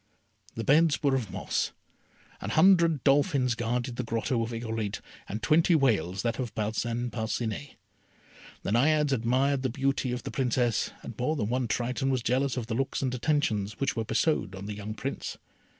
The beds were of moss. An hundred dolphins guarded the grotto of Irolite, and twenty whales that of Parcin Parcinet. The Naiades admired the beauty of the Princess, and more than one Triton was jealous of the looks and attentions which were bestowed on the young Prince.